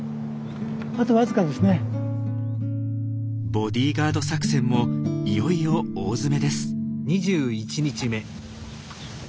ボディーガード作戦もいよいよ大詰めです。